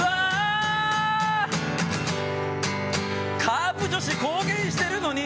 「カープ女子公言してるのに」